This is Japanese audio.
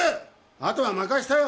あとは任せたよ。